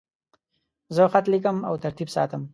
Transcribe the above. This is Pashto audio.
زه خط لیکم او ترتیب ساتم.